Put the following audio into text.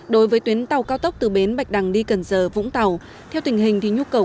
đối với tuyến tàu cao tốc từ bến bạch đằng đi cần giờ vũng tàu theo tình hình thì nhu cầu